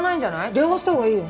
電話したほうがいいよ。